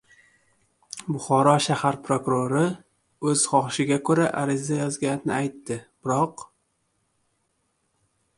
Buxoro shahar prokurori «o‘z xohishiga ko‘ra ariza yozgani» aytildi. Biroq...